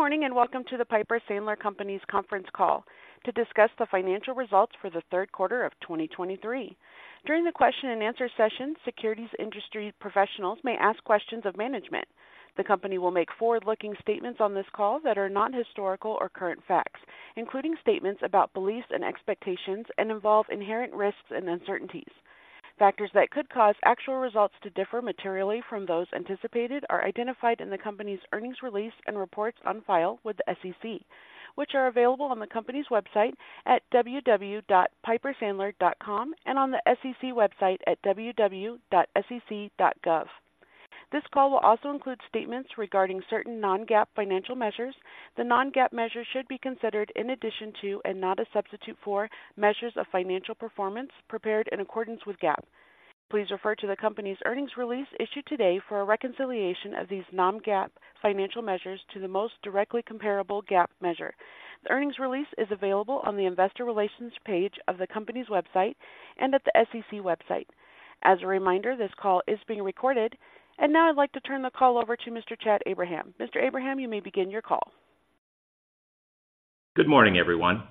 Good morning, and welcome to the Piper Sandler Companies conference call to discuss the financial results for the third quarter of 2023. During the question and answer session, securities industry professionals may ask questions of management. The company will make forward-looking statements on this call that are not historical or current facts, including statements about beliefs and expectations, and involve inherent risks and uncertainties. Factors that could cause actual results to differ materially from those anticipated are identified in the company's earnings release and reports on file with the SEC, which are available on the company's website at www.pipersandler.com, and on the SEC website at www.sec.gov. This call will also include statements regarding certain non-GAAP financial measures. The non-GAAP measures should be considered in addition to, and not a substitute for, measures of financial performance prepared in accordance with GAAP. Please refer to the company's earnings release issued today for a reconciliation of these non-GAAP financial measures to the most directly comparable GAAP measure. The earnings release is available on the investor relations page of the company's website and at the SEC website. As a reminder, this call is being recorded. And now I'd like to turn the call over to Mr. Chad Abraham. Mr. Abraham, you may begin your call. Good morning, everyone.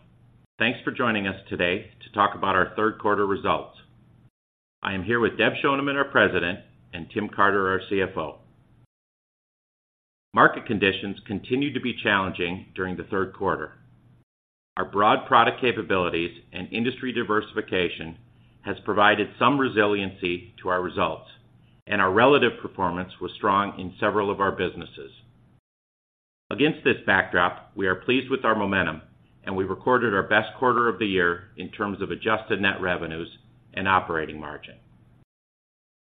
Thanks for joining us today to talk about our third quarter results. I am here with Deb Schoneman, our President, and Tim Carter, our CFO. Market conditions continued to be challenging during the third quarter. Our broad product capabilities and industry diversification has provided some resiliency to our results, and our relative performance was strong in several of our businesses. Against this backdrop, we are pleased with our momentum, and we recorded our best quarter of the year in terms of adjusted net revenues and operating margin.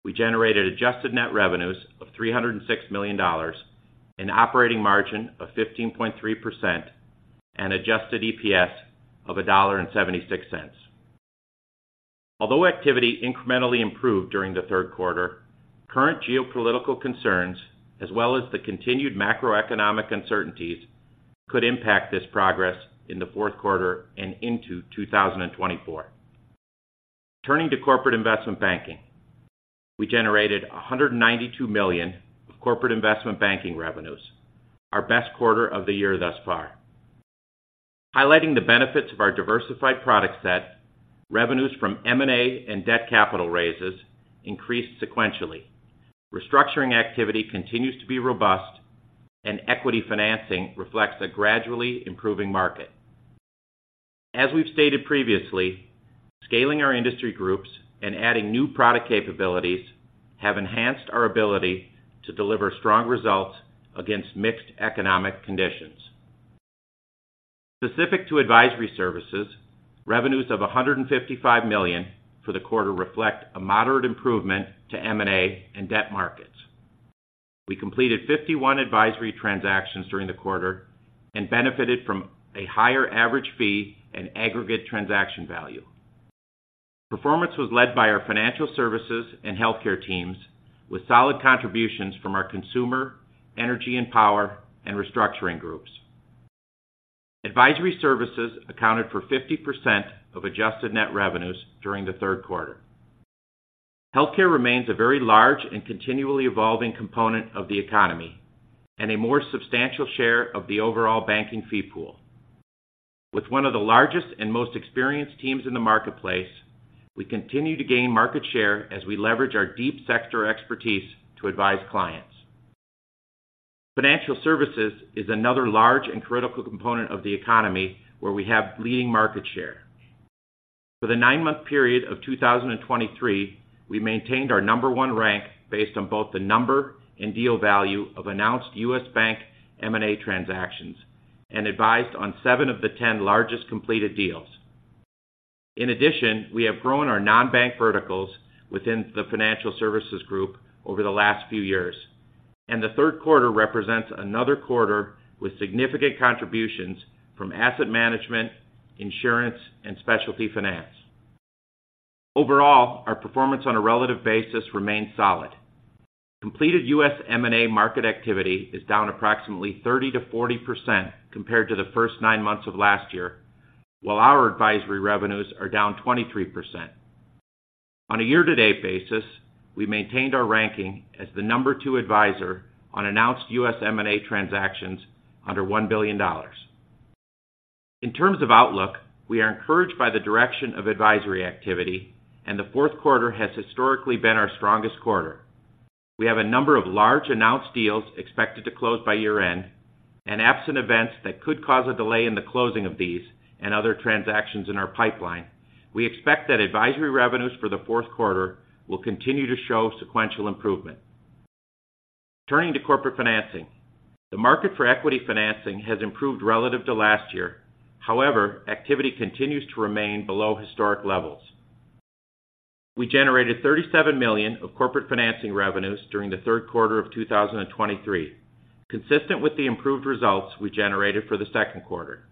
We generated adjusted net revenues of $306 million, an operating margin of 15.3%, and adjusted EPS of $1.76. Although activity incrementally improved during the third quarter, current geopolitical concerns, as well as the continued macroeconomic uncertainties, could impact this progress in the fourth quarter and into 2024. Turning to corporate investment banking, we generated $192 million of corporate investment banking revenues, our best quarter of the year thus far. Highlighting the benefits of our diversified product set, revenues from M&A and debt capital raises increased sequentially. Restructuring activity continues to be robust, and equity financing reflects a gradually improving market. As we've stated previously, scaling our industry groups and adding new product capabilities have enhanced our ability to deliver strong results against mixed economic conditions. Specific to advisory services, revenues of $155 million for the quarter reflect a moderate improvement to M&A and debt markets. We completed 51 advisory transactions during the quarter and benefited from a higher average fee and aggregate transaction value. Performance was led by our financial services and healthcare teams, with solid contributions from our consumer, energy and power, and restructuring groups. Advisory services accounted for 50% of adjusted net revenues during the third quarter. Healthcare remains a very large and continually evolving component of the economy and a more substantial share of the overall banking fee pool. With one of the largest and most experienced teams in the marketplace, we continue to gain market share as we leverage our deep sector expertise to advise clients. Financial services is another large and critical component of the economy where we have leading market share. For the nine-month period of 2023, we maintained our number one rank based on both the number and deal value of announced U.S. bank M&A transactions, and advised on seven of the 10 largest completed deals. In addition, we have grown our non-bank verticals within the financial services group over the last few years, and the third quarter represents another quarter with significant contributions from asset management, insurance, and specialty finance. Overall, our performance on a relative basis remains solid. Completed U.S. M&A market activity is down approximately 30%-40% compared to the first nine months of last year, while our advisory revenues are down 23%. On a year-to-date basis, we maintained our ranking as the number two advisor on announced U.S. M&A transactions under $1 billion. In terms of outlook, we are encouraged by the direction of advisory activity, and the fourth quarter has historically been our strongest quarter. We have a number of large announced deals expected to close by year-end, and absent events that could cause a delay in the closing of these and other transactions in our pipeline, we expect that advisory revenues for the fourth quarter will continue to show sequential improvement. Turning to corporate financing, the market for equity financing has improved relative to last year. However, activity continues to remain below historic levels. We generated $37 million of corporate financing revenues during the third quarter of 2023, consistent with the improved results we generated for the second quarter.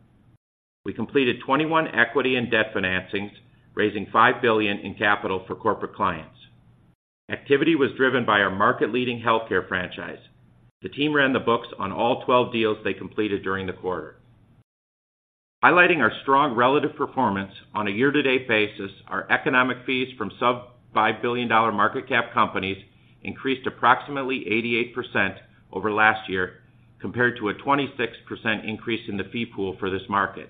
We completed 21 equity and debt financings, raising $5 billion in capital for corporate clients. Activity was driven by our market-leading healthcare franchise. The team ran the books on all 12 deals they completed during the quarter. Highlighting our strong relative performance on a year-to-date basis, our economic fees from sub $5 billion market cap companies increased approximately 88% over last year, compared to a 26% increase in the fee pool for this market.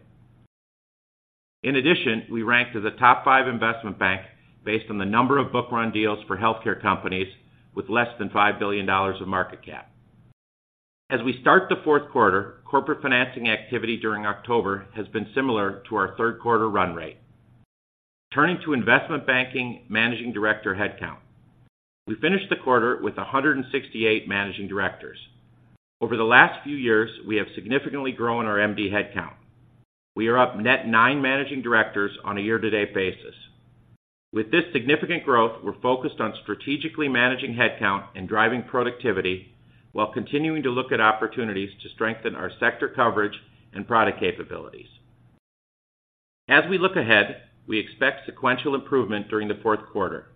In addition, we ranked as a top five investment bank based on the number of book-run deals for healthcare companies with less than $5 billion of market cap. As we start the fourth quarter, corporate financing activity during October has been similar to our third quarter run rate. Turning to investment banking Managing Director headcount. We finished the quarter with 168 managing directors. Over the last few years, we have significantly grown our MD headcount. We are up net nine managing directors on a year-to-date basis. With this significant growth, we're focused on strategically managing headcount and driving productivity, while continuing to look at opportunities to strengthen our sector coverage and product capabilities. As we look ahead, we expect sequential improvement during the fourth quarter.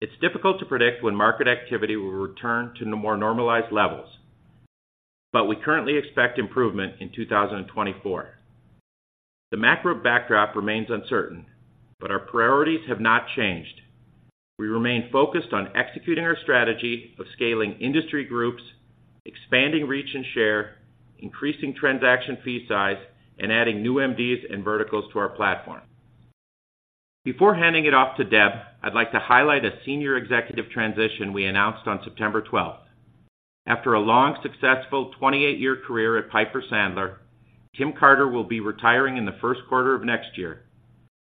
It's difficult to predict when market activity will return to more normalized levels, but we currently expect improvement in 2024. The macro backdrop remains uncertain, but our priorities have not changed. We remain focused on executing our strategy of scaling industry groups, expanding reach and share, increasing transaction fee size, and adding new MDs and verticals to our platform. Before handing it off to Deb, I'd like to highlight a senior executive transition we announced on September 12. After a long, successful 28-year career at Piper Sandler, Tim Carter will be retiring in the first quarter of next year.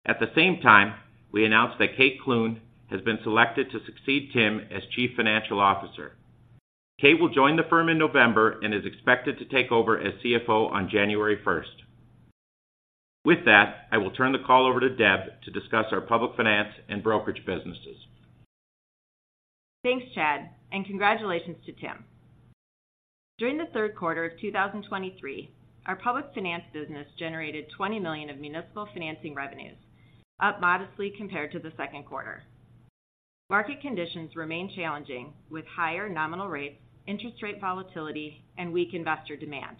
At the same time, we announced that Kate Clune has been selected to succeed Tim as Chief Financial Officer. Kate will join the firm in November and is expected to take over as CFO on January first. With that, I will turn the call over to Deb to discuss our public finance and brokerage businesses. Thanks, Chad, and congratulations to Tim. During the third quarter of 2023, our public finance business generated $20 million of municipal financing revenues, up modestly compared to the second quarter. Market conditions remain challenging, with higher nominal rates, interest rate volatility, and weak investor demand.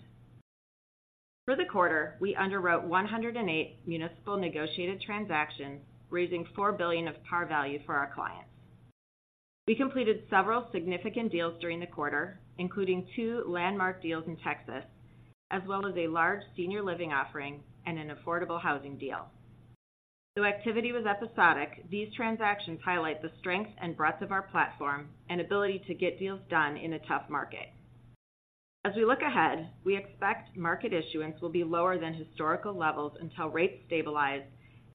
For the quarter, we underwrote 108 municipal negotiated transactions, raising $4 billion of par value for our clients. We completed several significant deals during the quarter, including two landmark deals in Texas, as well as a large senior living offering and an affordable housing deal. Though activity was episodic, these transactions highlight the strength and breadth of our platform and ability to get deals done in a tough market. As we look ahead, we expect market issuance will be lower than historical levels until rates stabilize,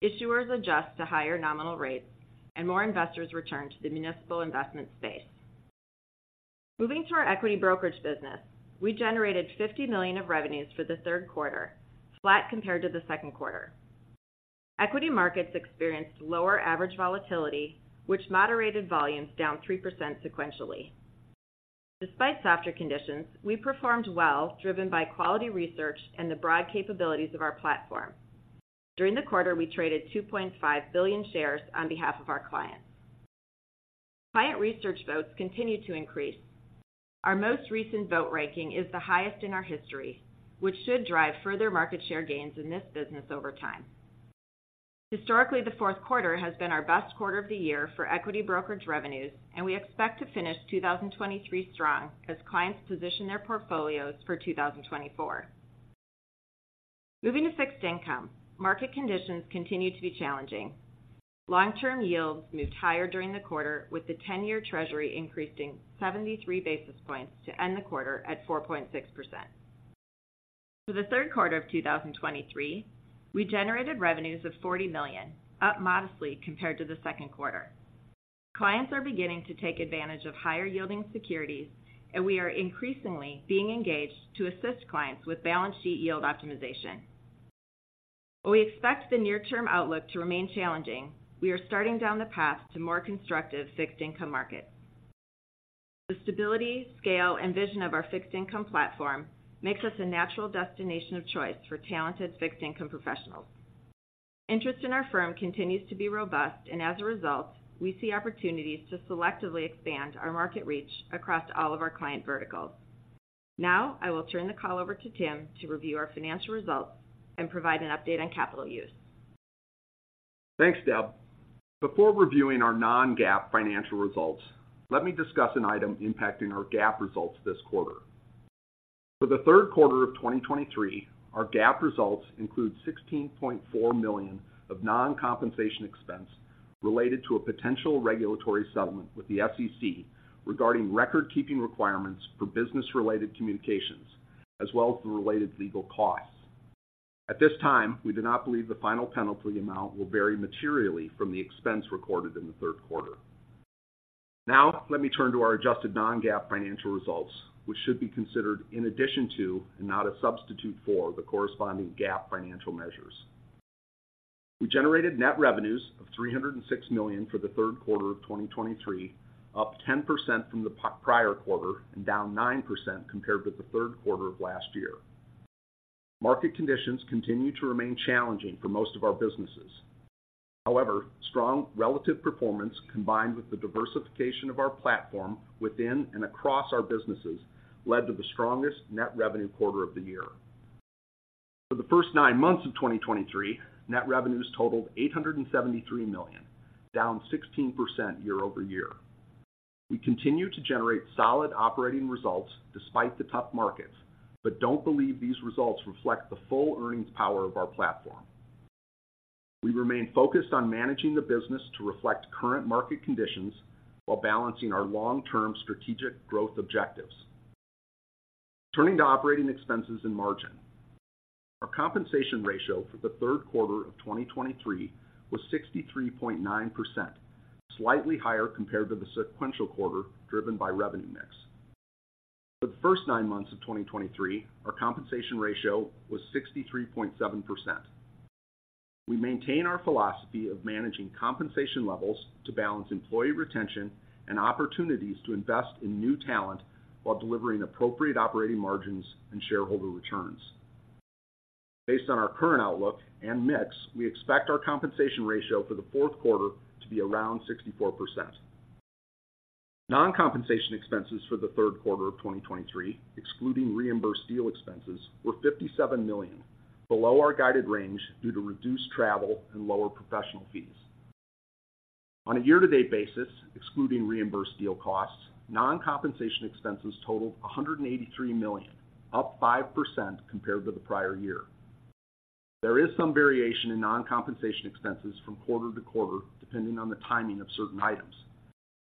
issuers adjust to higher nominal rates, and more investors return to the municipal investment space. Moving to our equity brokerage business, we generated $50 million of revenues for the third quarter, flat compared to the second quarter. Equity markets experienced lower average volatility, which moderated volumes down 3% sequentially. Despite softer conditions, we performed well, driven by quality research and the broad capabilities of our platform. During the quarter, we traded 2.5 billion shares on behalf of our clients. Client research votes continue to increase. Our most recent vote ranking is the highest in our history, which should drive further market share gains in this business over time. Historically, the fourth quarter has been our best quarter of the year for equity brokerage revenues, and we expect to finish 2023 strong as clients position their portfolios for 2024. Moving to fixed income, market conditions continue to be challenging. Long-term yields moved higher during the quarter, with the Ten-Year Treasury increasing 73 basis points to end the quarter at 4.6%. For the third quarter of 2023, we generated revenues of $40 million, up modestly compared to the second quarter. Clients are beginning to take advantage of higher-yielding securities, and we are increasingly being engaged to assist clients with balance sheet yield optimization. While we expect the near-term outlook to remain challenging, we are starting down the path to more constructive fixed income markets. The stability, scale, and vision of our fixed income platform makes us a natural destination of choice for talented fixed income professionals. Interest in our firm continues to be robust, and as a result, we see opportunities to selectively expand our market reach across all of our client verticals. Now, I will turn the call over to Tim to review our financial results and provide an update on capital use. Thanks, Deb. Before reviewing our non-GAAP financial results, let me discuss an item impacting our GAAP results this quarter. For the third quarter of 2023, our GAAP results include $16.4 million of non-compensation expense related to a potential regulatory settlement with the SEC regarding record-keeping requirements for business-related communications, as well as the related legal costs. At this time, we do not believe the final penalty amount will vary materially from the expense recorded in the third quarter. Now, let me turn to our adjusted non-GAAP financial results, which should be considered in addition to and not a substitute for the corresponding GAAP financial measures. We generated net revenues of $306 million for the third quarter of 2023, up 10% from the prior quarter and down 9% compared with the third quarter of last year. Market conditions continue to remain challenging for most of our businesses. However, strong relative performance, combined with the diversification of our platform within and across our businesses, led to the strongest net revenue quarter of the year. For the first nine months of 2023, net revenues totaled $873 million, down 16% year-over-year. We continue to generate solid operating results despite the tough markets, but don't believe these results reflect the full earnings power of our platform. We remain focused on managing the business to reflect current market conditions while balancing our long-term strategic growth objectives. Turning to operating expenses and margin. Our compensation ratio for the third quarter of 2023 was 63.9%, slightly higher compared to the sequential quarter, driven by revenue mix. For the first nine months of 2023, our compensation ratio was 63.7%. We maintain our philosophy of managing compensation levels to balance employee retention and opportunities to invest in new talent while delivering appropriate operating margins and shareholder returns. Based on our current outlook and mix, we expect our compensation ratio for the fourth quarter to be around 64%. Non-compensation expenses for the third quarter of 2023, excluding reimbursed deal expenses, were $57 million, below our guided range due to reduced travel and lower professional fees. On a year-to-date basis, excluding reimbursed deal costs, non-compensation expenses totaled $183 million, up 5% compared to the prior year. There is some variation in non-compensation expenses from quarter to quarter, depending on the timing of certain items.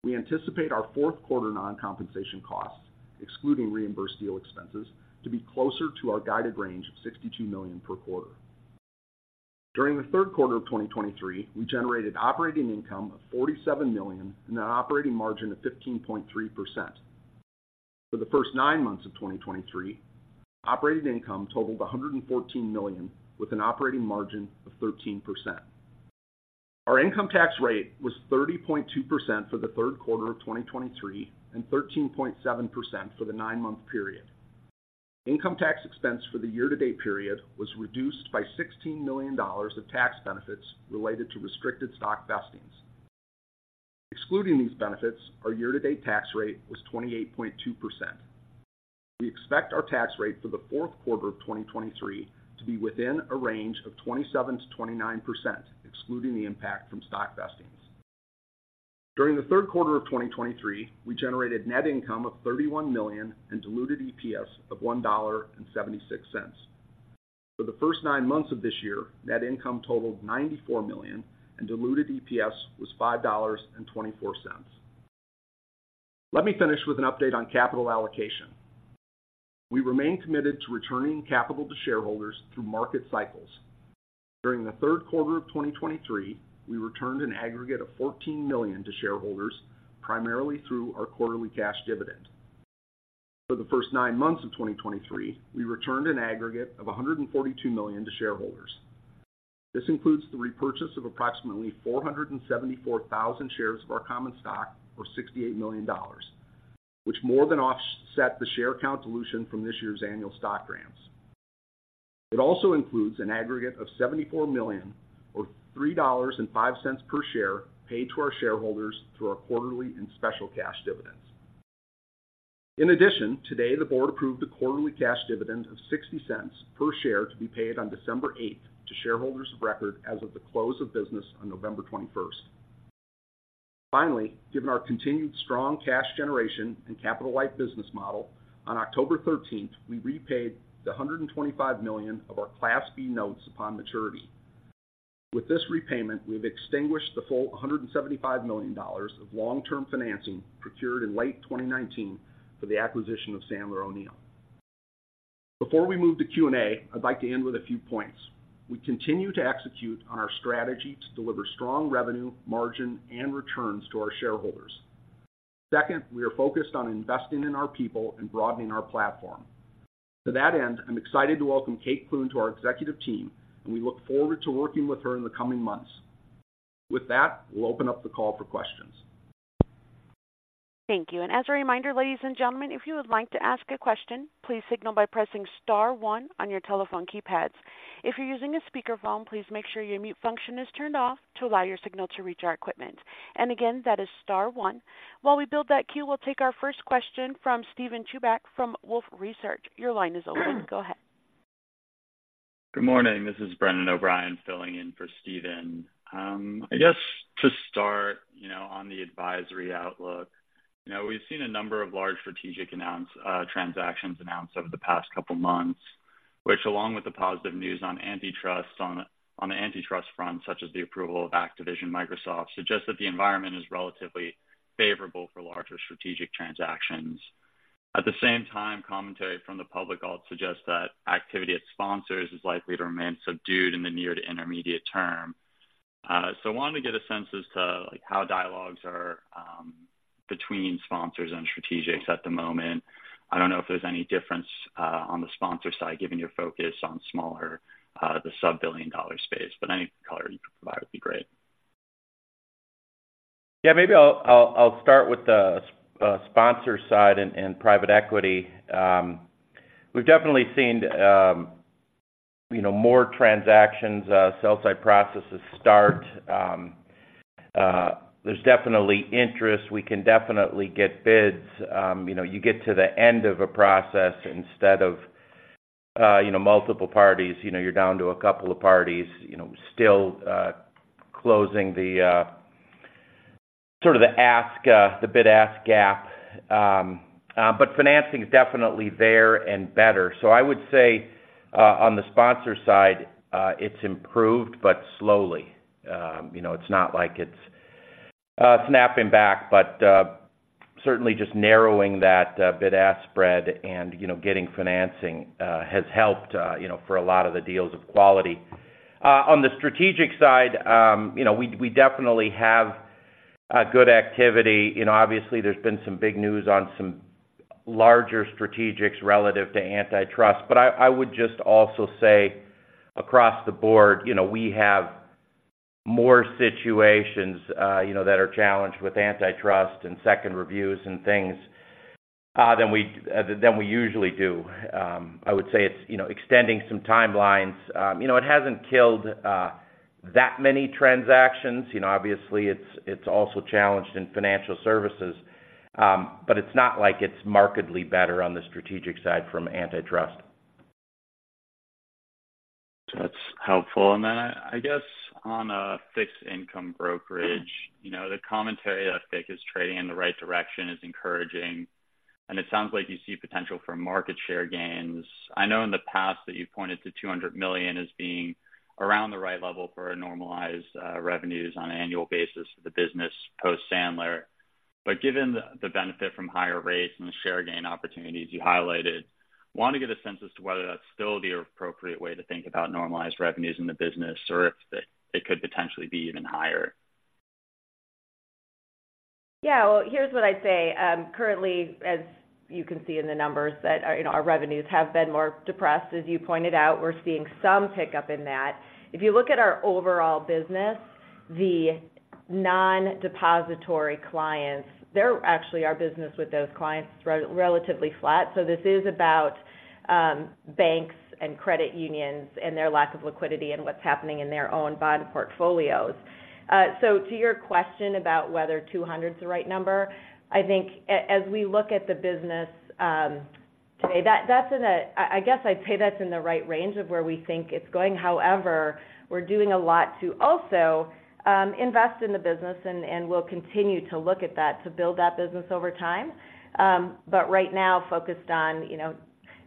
We anticipate our fourth quarter non-compensation costs, excluding reimbursed deal expenses, to be closer to our guided range of $62 million per quarter. During the third quarter of 2023, we generated operating income of $47 million and an operating margin of 15.3%. For the first nine months of 2023, operating income totaled $114 million, with an operating margin of 13%. Our income tax rate was 30.2% for the third quarter of 2023 and 13.7% for the nine-month period. Income tax expense for the year-to-date period was reduced by $16 million of tax benefits related to restricted stock vestings. Excluding these benefits, our year-to-date tax rate was 28.2%. We expect our tax rate for the fourth quarter of 2023 to be within a range of 27%-29%, excluding the impact from stock vestings. During the third quarter of 2023, we generated net income of $31 million and diluted EPS of $1.76. For the first nine months of this year, net income totaled $94 million, and diluted EPS was $5.24. Let me finish with an update on capital allocation. We remain committed to returning capital to shareholders through market cycles. During the third quarter of 2023, we returned an aggregate of $14 million to shareholders, primarily through our quarterly cash dividend. For the first nine months of 2023, we returned an aggregate of $142 million to shareholders. This includes the repurchase of approximately 474,000 shares of our common stock, or $68 million, which more than offset the share count dilution from this year's annual stock grants. It also includes an aggregate of $74 million, or $3.05 per share, paid to our shareholders through our quarterly and special cash dividends. In addition, today, the board approved a quarterly cash dividend of $0.60 per share to be paid on December 8th to shareholders of record as of the close of business on November 21st. Finally, given our continued strong cash generation and capital-light business model, on October 13th, we repaid the $125 million of our Class B Notes upon maturity. With this repayment, we've extinguished the full $175 million of long-term financing procured in late 2019 for the acquisition of Sandler O'Neill. Before we move to Q&A, I'd like to end with a few points. We continue to execute on our strategy to deliver strong revenue, margin, and returns to our shareholders. Second, we are focused on investing in our people and broadening our platform. To that end, I'm excited to welcome Kate Clune to our executive team, and we look forward to working with her in the coming months. With that, we'll open up the call for questions. Thank you. And as a reminder, ladies and gentlemen, if you would like to ask a question, please signal by pressing star one on your telephone keypads. If you're using a speakerphone, please make sure your mute function is turned off to allow your signal to reach our equipment. And again, that is star one. While we build that queue, we'll take our first question from Steven Chubak from Wolfe Research. Your line is open. Go ahead. Good morning. This is Brendan O'Brien, filling in for Steven. I guess to start on the advisory outlook we've seen a number of large strategic transactions announced over the past couple months, which, along with the positive news on the antitrust front, such as the approval of Activision Microsoft, suggests that the environment is relatively favorable for larger strategic transactions. At the same time, commentary from the public alt suggests that activity at sponsors is likely to remain subdued in the near to intermediate term. I wanted to get a sense as to, like, how dialogues are between sponsors and strategics at the moment. I don't know if there's any difference on the sponsor side, given your focus on smaller, the sub-billion dollar space, but any color you can provide would be great. Yeah, maybe I'll start with the sponsor side and private equity. We've definitely seen more transactions, sell-side processes start. There's definitely interest. We can definitely get bids. You get to the end of a process instead of multiple parties, you're down to a couple of parties, still closing the sort of the ask, the bid-ask gap. But financing is definitely there and better. So I would say on the sponsor side, it's improved, but slowly. It's not like it's snapping back, but certainly just narrowing that bid-ask spread and getting financing has helped for a lot of the deals of quality. On the strategic side, we definitely have a good activity. Obviously, there's been some big news on some larger strategics relative to antitrust. But I would just also say across the board, we have more situations that are challenged with antitrust and second reviews and things, than we usually do. I would say it's extending some timelines. It hasn't killed that many transactions. Obviously, it's also challenged in financial services, but it's not like it's markedly better on the strategic side from antitrust. So that's helpful. And then, I guess on a fixed income brokerage the commentary that FIC is trading in the right direction is encouraging, and it sounds like you see potential for market share gains. I know in the past that you've pointed to $200 million as being around the right level for a normalized revenues on an annual basis for the business post Sandler. But given the benefit from higher rates and the share gain opportunities you highlighted, want to get a sense as to whether that's still the appropriate way to think about normalized revenues in the business, or if it could potentially be even higher? Yeah, well, here's what I'd say. Currently, as you can see in the numbers, that our revenues have been more depressed. As you pointed out, we're seeing some pickup in that. If you look at our overall business, the non-depository clients, they're actually our business with those clients relatively flat. So this is about, banks and credit unions and their lack of liquidity and what's happening in their own bond portfolios. So to your question about whether 200's the right number, I think as we look at the business, today, that's in a... I, I guess I'd say that's in the right range of where we think it's going. However, we're doing a lot to also, invest in the business and, and we'll continue to look at that, to build that business over time. But right now focused on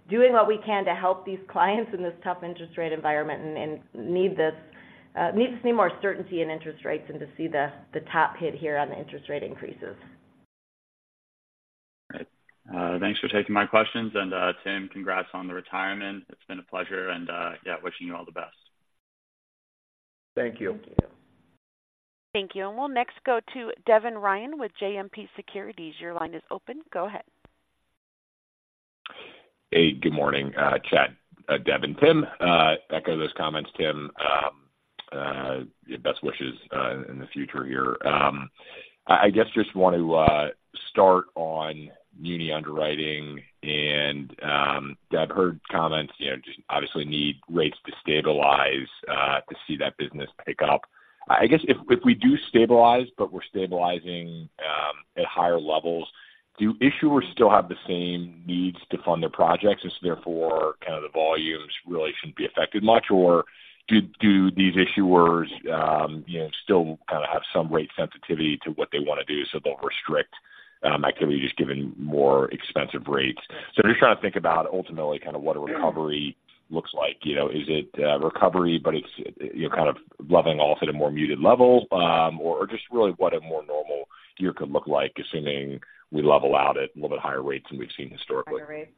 doing what we can to help these clients in this tough interest rate environment and need to see more certainty in interest rates and to see the top hit here on the interest rate increases. All right. Thanks for taking my questions. Tim, congrats on the retirement. It's been a pleasure, and, yeah, wishing you all the best. Thank you. Thank you. Thank you. We'll next go to Devin Ryan with JMP Securities. Your line is open. Go ahead. Hey, good morning, Chad, Devin, Tim. Echo those comments, Tim. Best wishes in the future here. I guess just want to start on muni underwriting and, Deb, heard comments just obviously need rates to stabilize to see that business pick up. I guess if we do stabilize, but we're stabilizing at higher levels, do issuers still have the same needs to fund their projects, and so therefore, kind of the volumes really shouldn't be affected much? Or do these issuers still kind of have some rate sensitivity to what they want to do, so they'll restrict activity just given more expensive rates? So just trying to think about ultimately kind of what a recovery looks like. Is it recovery, but it's kind of leveling off at a more muted level, or just really what a more normal year could look like, assuming we level out at a little bit higher rates than we've seen historically? Higher rates.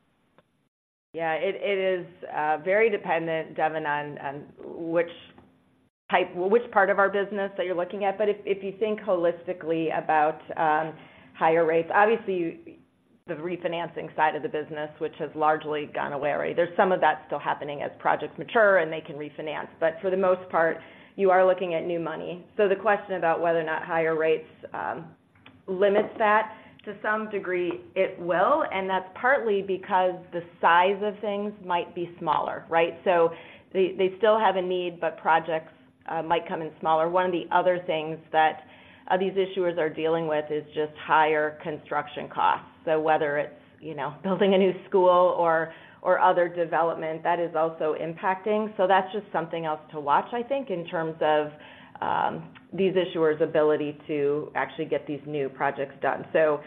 Yeah, it is very dependent, Devin, on which part of our business that you're looking at. But if you think holistically about higher rates, obviously, the refinancing side of the business, which has largely gone away already. There's some of that still happening as projects mature and they can refinance, but for the most part, you are looking at new money. So the question about whether or not higher rates limits that, to some degree, it will, and that's partly because the size of things might be smaller, right? So they still have a need, but projects might come in smaller. One of the other things that these issuers are dealing with is just higher construction costs. So whether it's building a new school or other development, that is also impacting. So that's just something else to watch, I think, in terms of these issuers' ability to actually get these new projects done. So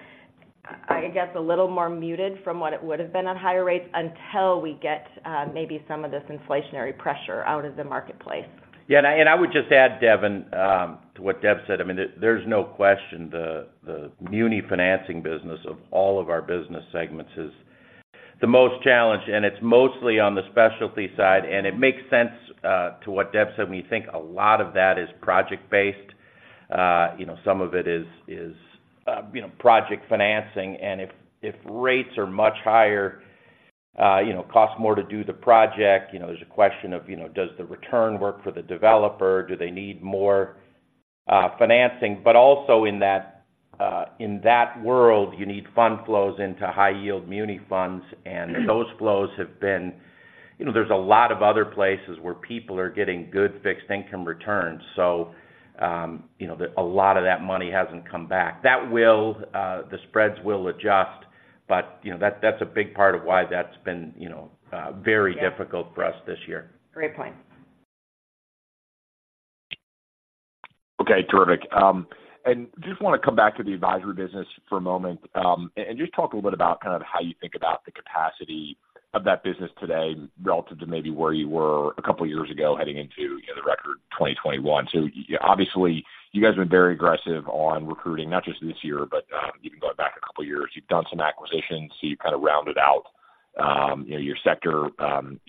I guess a little more muted from what it would have been on higher rates until we get maybe some of this inflationary pressure out of the marketplace. Yeah, and I would just add, Devin, to what Deb said, I mean, there's no question the muni financing business of all of our business segments is the most challenged, and it's mostly on the specialty side, and it makes sense to what Deb said. When you think a lot of that is project-based, some of it is project financing, and if rates are much higher, costs more to do the project. There's a question of, does the return work for the developer? Do they need more financing? But also in that world, you need fund flows into high-yield muni funds, and those flows have been... there's a lot of other places where people are getting good fixed income returns. So a lot of that money hasn't come back. That will, the spreads will adjust, but that, that's a big part of why that's been very difficult for us this year. Great point. Okay, terrific. And just want to come back to the advisory business for a moment, and just talk a little bit about kind of how you think about the capacity of that business today relative to maybe where you were a couple of years ago, heading into the record 2021. So obviously, you guys have been very aggressive on recruiting, not just this year, but even going back a couple of years. You've done some acquisitions, so you've kind of rounded out your sector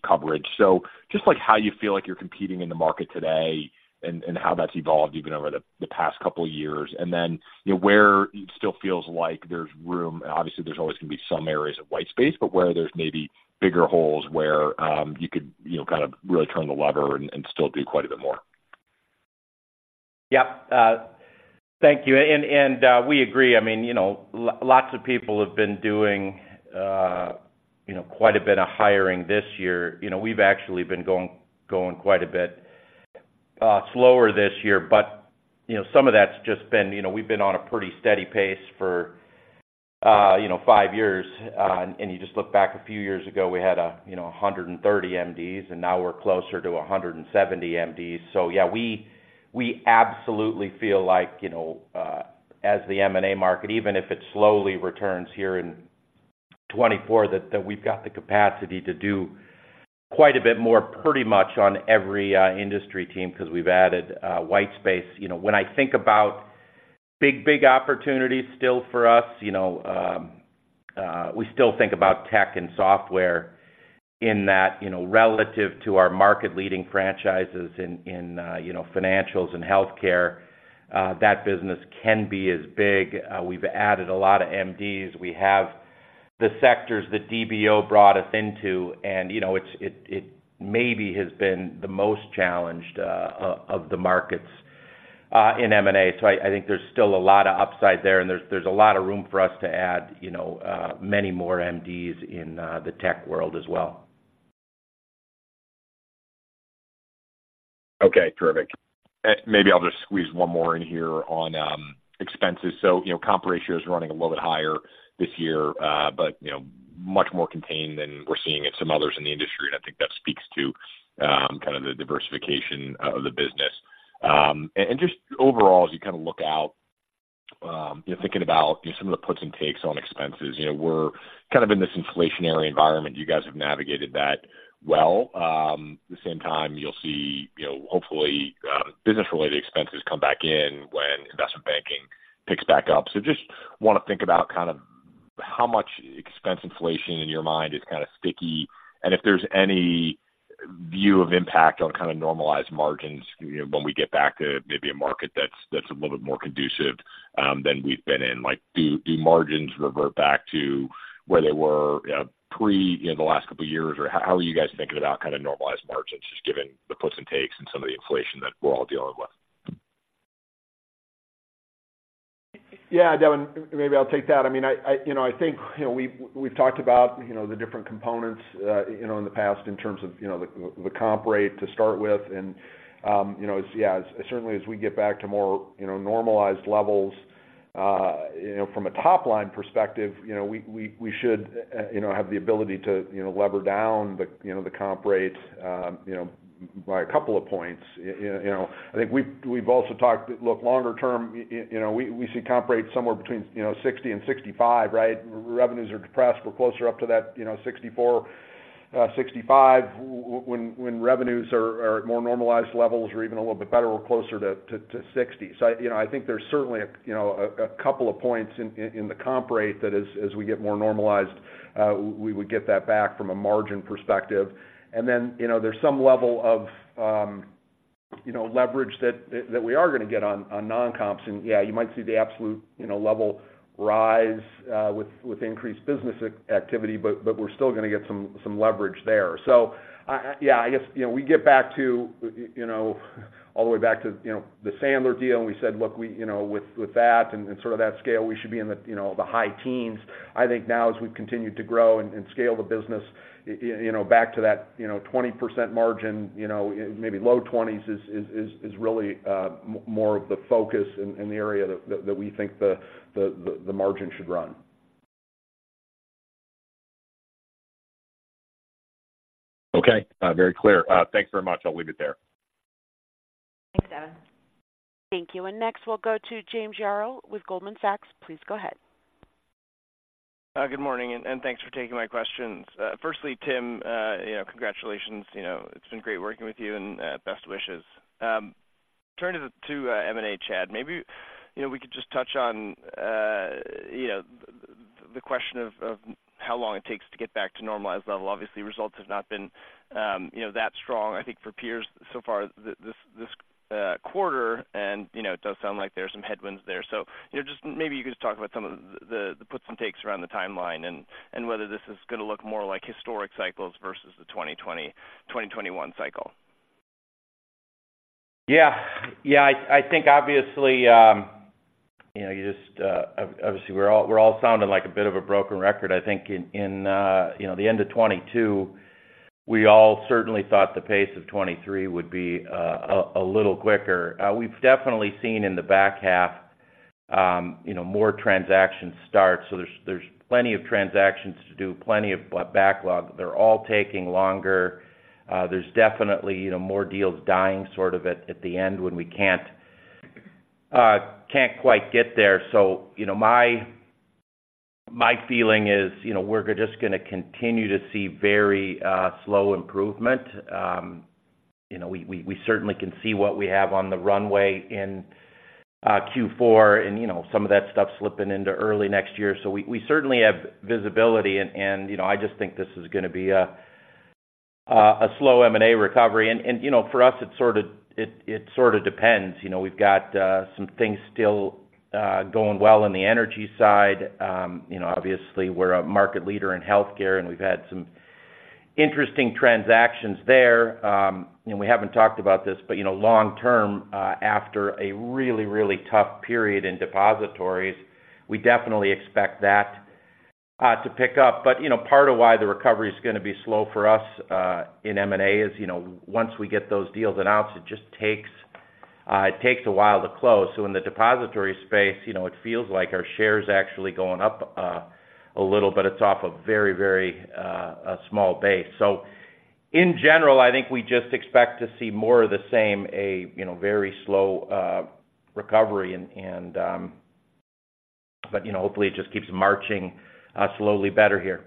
coverage. So just like how you feel like you're competing in the market today and how that's evolved even over the past couple of years. And then where it still feels like there's room, and obviously, there's always going to be some areas of white space, but where there's maybe bigger holes where, you could kind of really turn the lever and still do quite a bit more. Yeah. Thank you. And we agree. I mean, lots of people have been doing quite a bit of hiring this year. We've actually been going quite a bit slower this year, but some of that's just been... we've been on a pretty steady pace for five years. And you just look back a few years ago, we had 130 MDs, and now we're closer to 170 MDs. So yeah, we absolutely feel like, as the M&A market, even if it slowly returns here in 2024, that we've got the capacity to do quite a bit more, pretty much on every industry team, because we've added white space. When I think about big, big opportunities still for us, we still think about tech and software in that relative to our market-leading franchises in financials and healthcare, that business can be as big. We've added a lot of MDs. We have the sectors that DBO brought us into, and it's maybe has been the most challenged of, of the markets in M&A. So I think there's still a lot of upside there, and there's a lot of room for us to add many more MDs in the tech world as well. Okay, terrific. Maybe I'll just squeeze one more in here on expenses. So, comp ratio is running a little bit higher this year, but much more contained than we're seeing in some others in the industry. And I think that speaks to kind of the diversification of the business. And just overall, as you kind of look out, thinking about some of the puts and takes on expenses, we're kind of in this inflationary environment. You guys have navigated that well. At the same time, you'll see, hopefully, business-related expenses come back in when investment banking picks back up. So just want to think about kind of how much expense inflation in your mind is kind of sticky, and if there's any view of impact on kind of normalized margins, when we get back to maybe a market that's, that's a little bit more conducive than we've been in. Like, do margins revert back to where they were pre, the last couple of years? Or how are you guys thinking about kind of normalized margins, just given the puts and takes and some of the inflation that we're all dealing with? Yeah, Devin, maybe I'll take that. We've talked about the different components in the past in terms of the comp rate to start with. And certainly, as we get back to more normalized levels, from a top-line perspective, we should have the ability to lever down the comp rates by a couple of points. I think we've also talked, look, longer term, we see comp rates somewhere between 60 and 65, right? Revenues are depressed. We're closer up to that 64, 65. When revenues are at more normalized levels or even a little bit better, we're closer to 60. So I think there's certainly a couple of points in the comp rate that as we get more normalized, we would get that back from a margin perspective. And then there's some level of leverage that we are going to get on non-comps. And yeah, you might see the absolute level rise with increased business activity, but we're still gonna get some leverage there. I guess we get back to all the way back to the Sandler deal, and we said, look, with that and sort of that scale, we should be in the the high teens. I think now, as we've continued to grow and, and scale the business back to that 20% margin, maybe low twenties is really more of the focus in, in the area that we think the margin should run. Okay, very clear. Thanks very much. I'll leave it there. Thanks, Devin. Thank you. And next, we'll go to James Yaro with Goldman Sachs. Please go ahead. Good morning, and thanks for taking my questions. Firstly, Tim, congratulations. It's been great working with you, and best wishes. Turning to M&A, Chad, maybe we could just touch on the question of how long it takes to get back to normalized level. Obviously, results have not been that strong, I think, for peers so far this quarter, and it does sound like there are some headwinds there. So, just maybe you could just talk about some of the puts and takes around the timeline and whether this is gonna look more like historic cycles versus the 2020, 2021 cycle. Yeah, yeah, I think obviously, you just, obviously we're all sounding like a bit of a broken record. I think in the end of 2022, we all certainly thought the pace of 2023 would be a little quicker. We've definitely seen in the back half, more transactions start. So there's plenty of transactions to do, plenty of backlog. They're all taking longer. There's definitely more deals dying sort of at the end when we can't quite get there. So, my feeling is we're just gonna continue to see very slow improvement. We certainly can see what we have on the runway in Q4, and some of that stuff's slipping into early next year. We certainly have visibility and I just think this is gonna be a slow M&A recovery. For us, it sort of depends. We've got some things still going well in the energy side. Obviously, we're a market leader in healthcare, and we've had some interesting transactions there. We haven't talked about this, but long term, after a really, really tough period in depositories, we definitely expect that to pick up. Part of why the recovery is gonna be slow for us in M&A is once we get those deals announced, it just takes a while to close. So in the depository space, it feels like our share is actually going up a little, but it's off a very, very small base. So in general, I think we just expect to see more of the same very slow recovery and... But, hopefully, it just keeps marching slowly better here.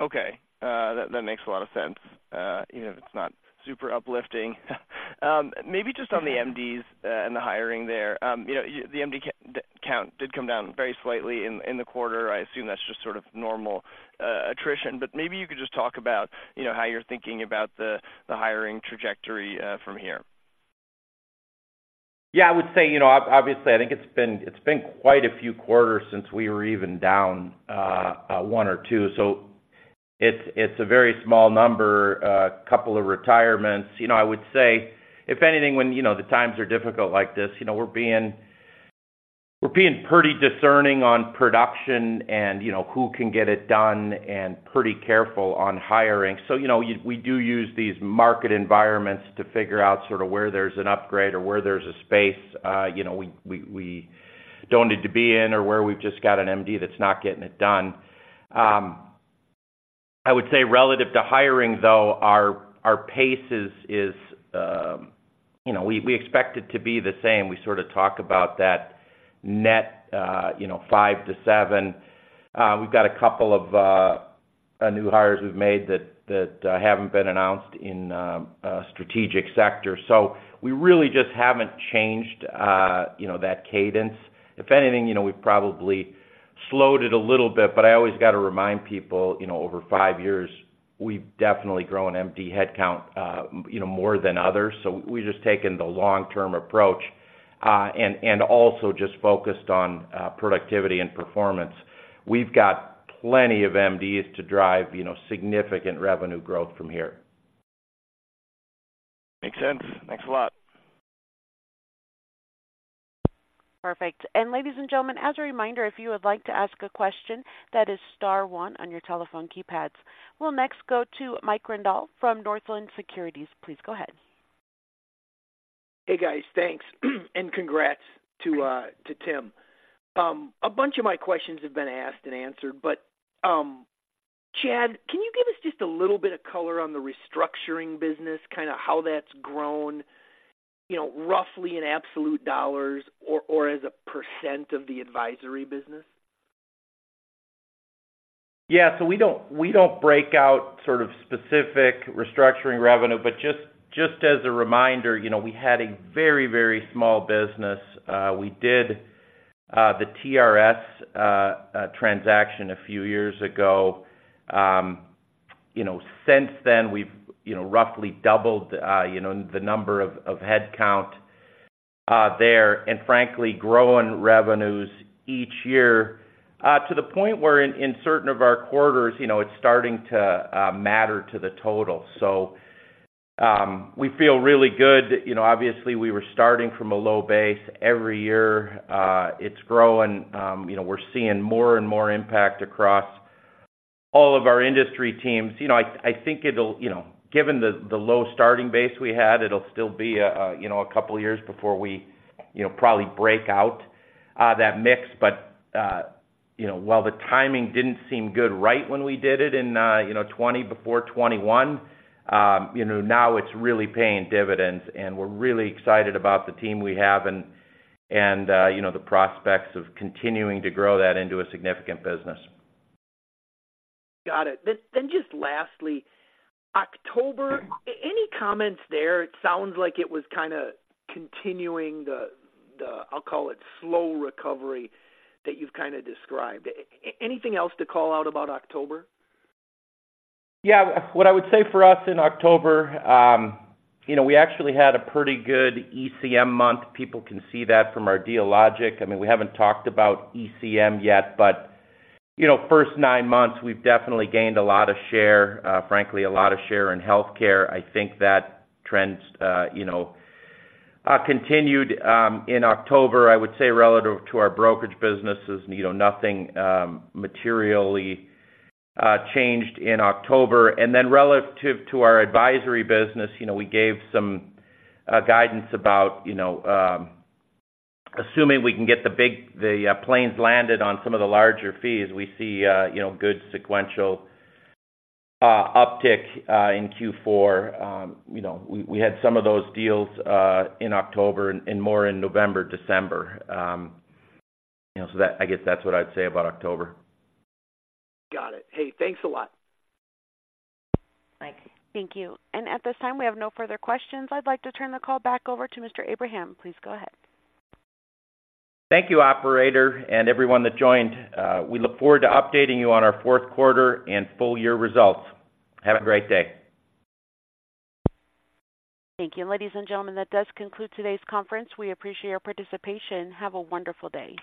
Okay, that makes a lot of sense. Even if it's not super uplifting. Maybe just on the MDs and the hiring there. The MD count did come down very slightly in the quarter. I assume that's just sort of normal attrition, but maybe you could just talk about how you're thinking about the hiring trajectory from here. Yeah, I would say, obviously, I think it's been quite a few quarters since we were even down one or two. So it's a very small number, a couple of retirements. I would say, if anything, when the times are difficult like this, we're being pretty discerning on production and who can get it done and pretty careful on hiring. So, we do use these market environments to figure out sort of where there's an upgrade or where there's a space, we don't need to be in or where we've just got an MD that's not getting it done. I would say relative to hiring, though, our pace is we expect it to be the same. We sort of talk about that net 5-7. We've got a couple of new hires we've made that haven't been announced in a strategic sector. So we really just haven't changed that cadence. If anything we've probably slowed it a little bit, but I always got to remind people over 5 years, we've definitely grown MD headcount more than others. So we've just taken the long-term approach, and also just focused on productivity and performance. We've got plenty of MDs to drive significant revenue growth from here. Makes sense. Thanks a lot. Perfect. Ladies and gentlemen, as a reminder, if you would like to ask a question, that is star one on your telephone keypads. We'll next go to Mike Grondahl from Northland Securities. Please go ahead. Hey, guys, thanks. Congrats to Tim. A bunch of my questions have been asked and answered, but Chad, can you give us just a little bit of color on the restructuring business, kinda how that's grown, roughly in absolute dollars or as a percent of the advisory business? Yeah, so we don't, we don't break out sort of specific restructuring revenue, but just, just as a reminder, we had a very, very small business. We did the TRS transaction a few years ago. Since then, we've roughly doubled the number of headcount there, and frankly, growing revenues each year to the point where in certain of our quarters, it's starting to matter to the total. So, we feel really good. Obviously, we were starting from a low base. Every year it's growing. We're seeing more and more impact across all of our industry teams. Given the low starting base we had, it'll still be a couple of years before we probably break out that mix. But, while the timing didn't seem good right when we did it in 2020, before 2021, now it's really paying dividends, and we're really excited about the team we have and the prospects of continuing to grow that into a significant business. Got it. Then just lastly, October, any comments there? It sounds like it was kinda continuing the slow recovery that you've kinda described. Anything else to call out about October? Yeah. What I would say for us in October, we actually had a pretty good ECM month. People can see that from our Dealogic. I mean, we haven't talked about ECM yet, but first nine months, we've definitely gained a lot of share, frankly, a lot of share in healthcare. I think that trends continued in October. I would say relative to our brokerage businesses, nothing materially changed in October. And then relative to our advisory business we gave some guidance about assuming we can get the planes landed on some of the larger fees, we see good sequential uptick in Q4. We had some of those deals in October and more in November, December. I guess that's what I'd say about October. Got it. Hey, thanks a lot. Thank you. At this time, we have no further questions. I'd like to turn the call back over to Mr. Abraham. Please go ahead. Thank you, operator, and everyone that joined. We look forward to updating you on our fourth quarter and full year results. Have a great day. Thank you. Ladies and gentlemen, that does conclude today's conference. We appreciate your participation. Have a wonderful day.